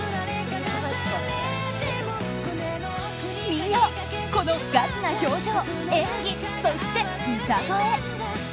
見よ、このガチな表情演技、そして歌声。